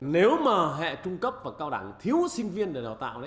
nếu mà hệ trung cấp và cao đẳng thiếu sinh viên để đào tạo